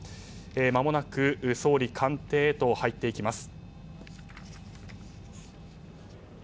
まもなく総理官邸へと入っていきます。